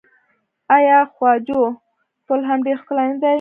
آیا خواجو پل هم ډیر ښکلی نه دی؟